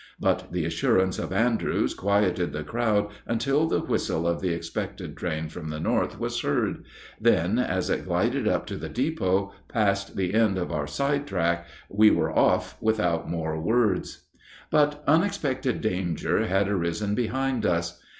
But the assurance of Andrews quieted the crowd until the whistle of the expected train from the north was heard; then as it glided up to the depot, past the end of our side track, we were off without more words. But unexpected danger had arisen behind us.